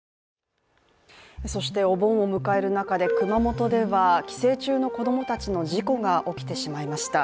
そしてお盆を迎える中で熊本では帰省中の子供たちの事故が起きてしまいました。